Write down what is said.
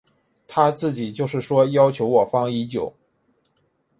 他自己就是说要求我方已久。